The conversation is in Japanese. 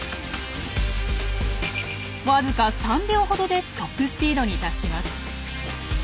わずか３秒ほどでトップスピードに達します。